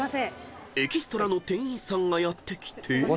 ［エキストラの店員さんがやって来て］